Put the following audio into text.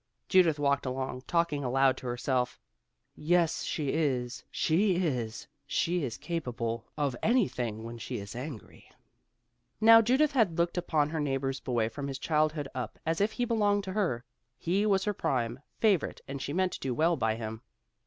Judith walked along, talking aloud to herself, "Yes, she is! she is! she is capable of anything when she is angry!" Now Judith had looked upon her neighbor's boy from his childhood up, as if he belonged to her. He was her prime, favorite and she meant to do well by him.